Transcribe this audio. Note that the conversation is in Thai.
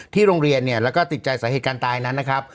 โรงเรียนเนี่ยแล้วก็ติดใจสาเหตุการณ์ตายนั้นนะครับ